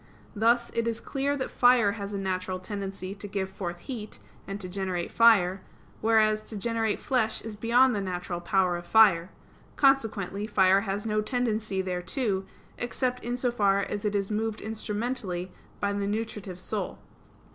Thus it is clear that fire has a natural tendency to give forth heat, and to generate fire; whereas to generate flesh is beyond the natural power of fire; consequently, fire has no tendency thereto, except in so far as it is moved instrumentally by the nutritive soul.